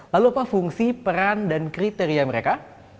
lalu apa fungsi peran dan kriteria mereka